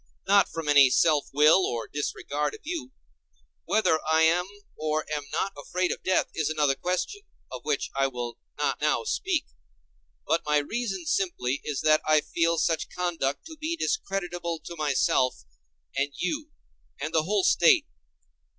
Not from any self will or disregard of you. Whether I am or am not afraid of death is another question, of which I will not now speak. But my reason simply is that I feel such conduct to be discreditable to myself, and you, and the whole State.